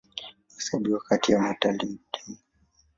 Huhesabiwa kati ya metali adimu.